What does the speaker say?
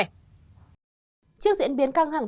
trước diễn biến căng thẳng